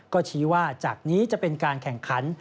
ก็ชี้ว่าจากนี้จะเป็นการแข่งขัน